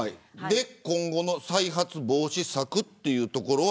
今後の再発防止策というところは。